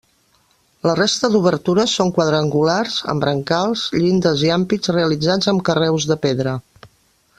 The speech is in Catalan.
La resta d'obertures són quadrangulars, amb brancals, llindes i ampits realitzats amb carreus de pedra.